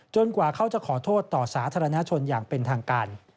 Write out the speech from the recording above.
กว่าเขาจะขอโทษต่อสาธารณชนอย่างเป็นทางการ